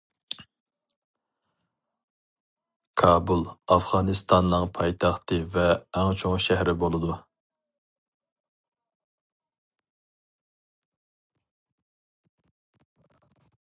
كابۇل ئافغانىستاننىڭ پايتەختى ۋە ئەڭ چوڭ شەھىرى بولىدۇ.